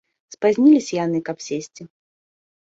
Спазніліся яны, каб сесці.